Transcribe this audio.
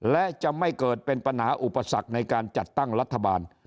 และจะไม่เกิดเป็นปัญหาอุปสรรคในการจัดตั้งรัฐบาล